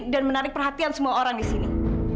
dan menarik perhatian semua orang disini